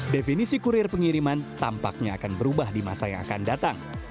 definisi kurir pengiriman tampaknya akan berubah di masa yang akan datang